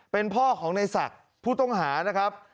เป็นพ่อของในศักดิ์ผู้ต้องหานะครับ